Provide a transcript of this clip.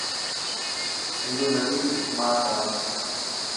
سنڌو نڌي ما هي.